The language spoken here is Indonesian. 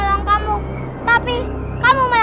jangan lupa untuk berikan duit